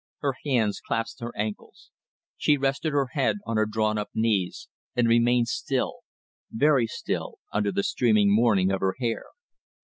Her hands clasped her ankles; she rested her head on her drawn up knees, and remained still, very still, under the streaming mourning of her hair.